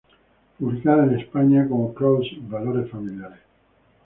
Publicada en España como "Crossed: Valores Familiares".